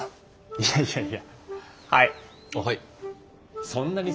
いやいやいやいや。